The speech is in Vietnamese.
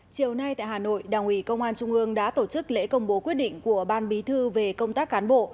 chiều nay tại hà nội đảng ủy công an trung ương đã tổ chức lễ công bố quyết định của ban bí thư về công tác cán bộ